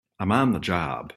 I'm on the job!